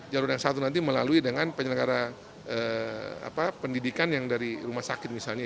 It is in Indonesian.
jalur yang satu nanti melalui dengan penyelenggara pendidikan yang dari rumah sakit misalnya